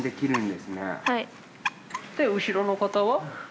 で後ろの方は？